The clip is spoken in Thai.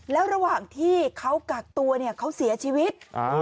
แล้วระหว่างที่เขากักตัวเนี่ยเขาเสียชีวิต